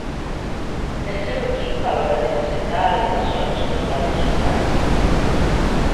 El seu equip valora de presentar al·legacions contra el resultat.